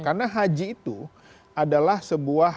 karena haji itu adalah sebuah